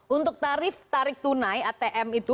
untuk tarif tarik tunai atm itu